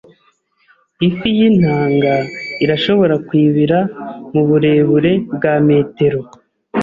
Ifi y'intanga irashobora kwibira mu burebure bwa metero.